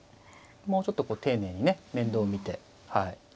もうちょっと丁寧にね面倒見て。